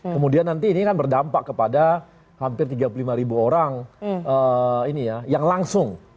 kemudian nanti ini kan berdampak kepada hampir tiga puluh lima ribu orang yang langsung